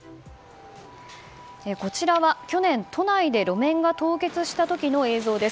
こちらは去年、都内で路面が凍結した時の映像です。